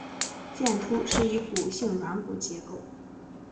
剑突是一骨性软骨结构。